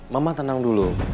mama tenang dulu